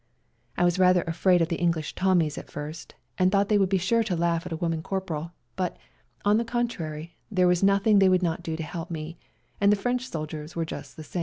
I was rather afraid of the English Tommies at first, and thought they would be sure to laugh at a woman corporal, but, on the contrary, there was nothing they would not do to help me, and the French soldiers were just the same.